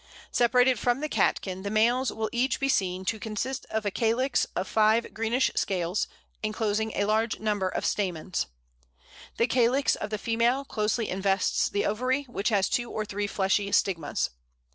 Separated from the catkin, the males will each be seen to consist of a calyx of five greenish scales, enclosing a large number of stamens. The calyx of the female closely invests the ovary, which has two or three fleshy stigmas.